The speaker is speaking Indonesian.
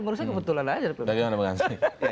menurut saya kebetulan saja ada pilkada